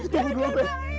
tunggu dulu beb